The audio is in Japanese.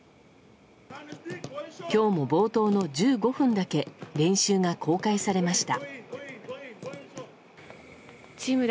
今日も冒頭の１５分だけ練習が公開されました。